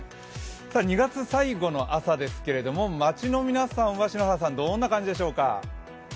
２月最後の朝ですけれども街の皆さんはどんな感じでしょうか？